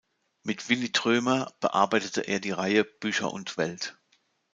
Mit Willy Droemer bearbeitete er die Reihe „Bücher und Welt“.